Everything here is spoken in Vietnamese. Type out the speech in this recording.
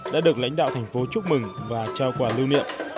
đã được lãnh đạo tp hcm chúc mừng và trao quà lưu niệm